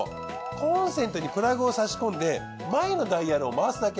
コンセントにプラグを差し込んで前のダイヤルを回すだけ。